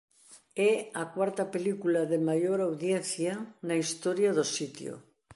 É a cuarta película de maior audiencia na historia do sitio.